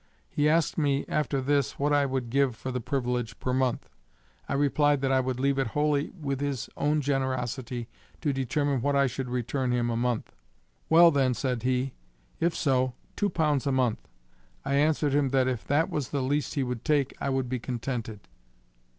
He asked me after this what I would give for the privilege per month. I replied that I would leave it wholly with his own generosity to determine what I should return him a month. Well then, said he, if so two pounds a month. I answered him that if that was the least he would take I would be contented.